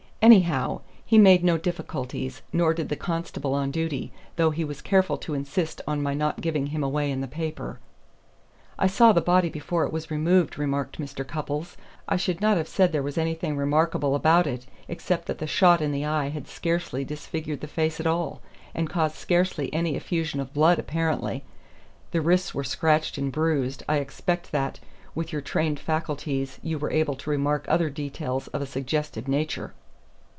Anyhow, he made no difficulties, nor did the constable on duty, though he was careful to insist on my not giving him away in the paper." "I saw the body before it was removed," remarked Mr. Cupples. "I should not have said there was anything remarkable about it, except that the shot in the eye had scarcely disfigured the face at all, and caused scarcely any effusion of blood, apparently. The wrists were scratched and bruised. I expect that, with your trained faculties, you were able to remark other details of a suggestive nature."